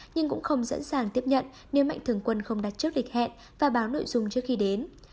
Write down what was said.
nhưng cũng không sẵn sàng tiếp nhận nếu mạnh thường quân không đặt trước lịch hẹn và báo nội dung trước khi đến